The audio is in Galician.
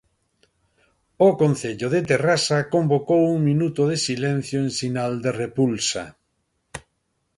O concello de Terrasa convocou un minuto de silencio en sinal de repulsa.